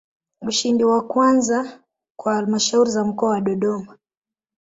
Ushindi wa kwanza kwa Halmashauri za Mkoa wa Dodoma